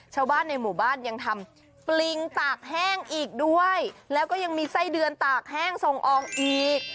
ชาวบ้านในหมู่บ้านยังทำปริงตากแห้งอีกด้วยแล้วก็ยังมีไส้เดือนตากแห้งส่งออกอีก